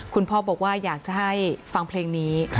คุณพ่อบอกว่าอยากจะให้ฟังเพลงนี้